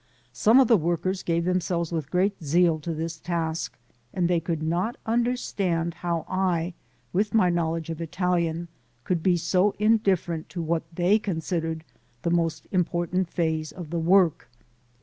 Some of the workers gave themselves with great zeal to this task, and they could not understand how I, with my knowledge of Italian, could be so indifferent to what they considered the most important phase of the work.